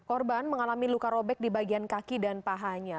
korban mengalami luka robek di bagian kaki dan pahanya